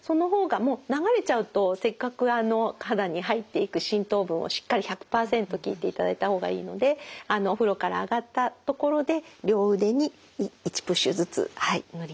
もう流れちゃうとせっかく肌に入っていく浸透分をしっかり１００％効いていただいた方がいいのでお風呂から上がったところで両腕に１プッシュずつ塗ります。